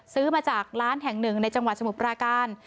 ซื้อมาจากร้านแห่งหนึ่งในจังหวัดสมุทรปราการ